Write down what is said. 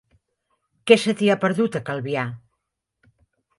Què se t'hi ha perdut, a Calvià?